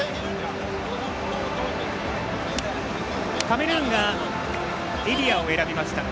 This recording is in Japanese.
カメルーンがエリアを選びました。